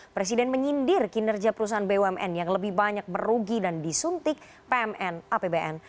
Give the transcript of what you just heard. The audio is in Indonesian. presiden menyindir kinerja perusahaan bumn yang lebih banyak merugi dan disuntik pmn apbn